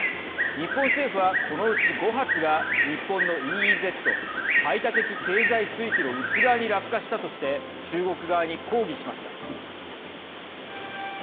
日本政府は、このうち５発が日本のＥＥＺ＝排他的経済水域の内側に落下したとして中国側に抗議しました。